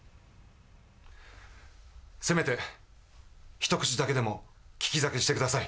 せめて一口だけでも利き酒してください。